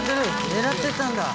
狙ってたんだ。